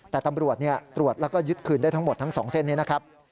แต่ตำรวจตรวจแล้วก็ยึดคืนได้ทั้งหมดทั้ง๒เส้นนี้นะครับ